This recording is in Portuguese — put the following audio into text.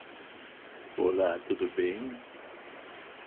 Minha menina de ouro